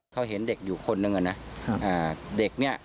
เขาเห็นเด็กอยู่คนหนึ่งอะนะเด็กเนี่ย